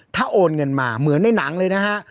ถ้าโอนเงินมาเหมือนในหนังเลยนะฮะ